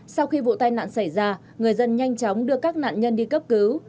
sau khi vụ tai nạn xảy ra người dân nhanh chóng đưa các nạn nhân đi cấp cứu